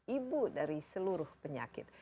ibu dari seluruh penyakit